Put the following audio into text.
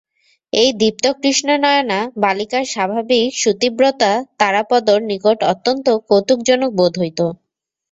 এই দীপ্তকৃষ্ণনয়না বালিকার স্বাভাবিক সুতীব্রতা তারাপদর নিকটে অত্যন্ত কৌতুকজনক বোধ হইত।